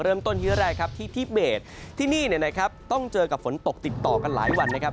เริ่มต้นที่แรกที่ที่เบสที่นี่ต้องเจอกับฝนตกติดต่อกันหลายวันนะครับ